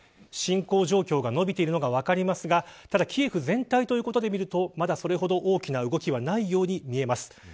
侵攻状況が伸びているのが分かりますがただキエフ全体ということで見るとまだ、それほど大きな動きはないように見えます。